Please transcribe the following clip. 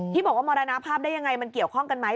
ที่บอกว่ามรณภาพได้ยังไงมันเกี่ยวข้องกันไหม